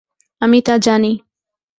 আমি তা জানি।